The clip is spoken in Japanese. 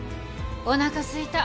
おなかすいた。